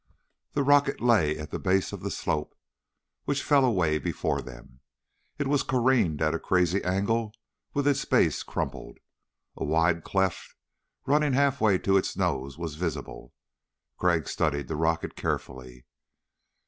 The rocket lay at the base of the slope, which fell away before them. It was careened at a crazy angle with its base crumpled. A wide cleft running half way to its nose was visible. Crag studied the rocket carefully.